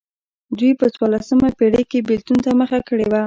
دوی په څوارلسمه پېړۍ کې بېلتون ته مخه کړې وه.